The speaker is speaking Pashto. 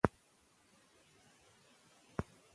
د کندهار والي له ویرې وتښتېد.